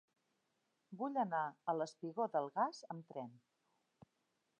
Vull anar al espigó del Gas amb tren.